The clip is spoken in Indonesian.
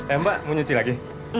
eh mbak mau nyuci lagi